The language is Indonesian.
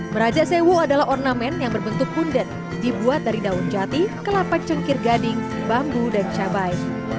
meraja sewo adalah ornamen yang berbentuk punden dibuat dari daun jati kelapa cengkir gading bambu dan cabai